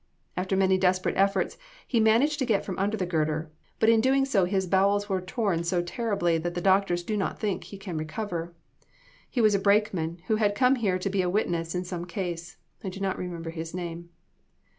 After many desperate efforts he managed to get from under the girder, but in doing so his bowels were torn so terribly that the doctors do not think he can recover. He was a brakeman, who had come here to be a witness in some case. I do not remember his name.